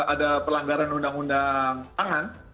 ada pelanggaran undang undang tahan